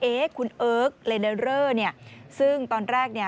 เอ๊ะคุณเอิร์กเลเดอร์เรอเนี่ยซึ่งตอนแรกเนี่ย